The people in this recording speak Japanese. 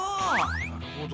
なるほど。